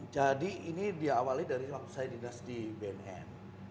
jadi ini diawali dari waktu saya dinas di bnn